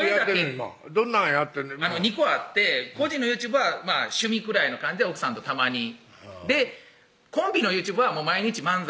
今どんなんやって２個あって個人のＹｏｕＴｕｂｅは趣味くらいの感じで奥さんとたまにでコンビのＹｏｕＴｕｂｅは毎日漫才をあげていってます